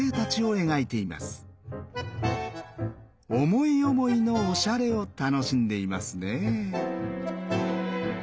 思い思いのおしゃれを楽しんでいますね。